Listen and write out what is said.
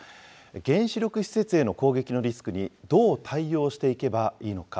原子力施設への攻撃のリスクにどう対応していけばいいのか。